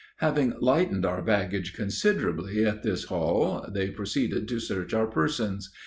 "Having lightened our baggage considerably at this haul, they proceeded to search our persons.